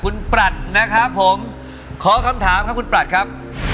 คุณปรัดนะครับผมขอคำถามครับคุณปรัชครับ